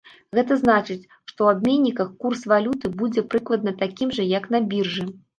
Гэта значыць, што ў абменніках курс валюты будзе прыкладна такім жа, як на біржы.